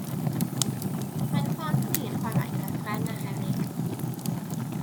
Mae'n plant ni yn chwarae gyda phren a cherrig.